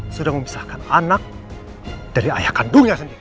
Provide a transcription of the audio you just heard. sudah memisahkan anak dari ayah kandungnya sendiri